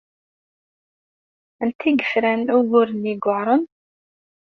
Anta ay yefran ugur-nni ay iweɛṛen?